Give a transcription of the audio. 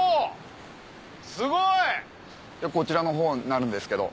すごい！こちらの方になるんですけど。